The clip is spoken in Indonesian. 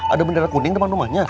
ada bendera kuning depan rumahnya